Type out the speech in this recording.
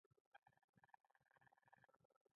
ولې موږ دولت ته اړتیا لرو؟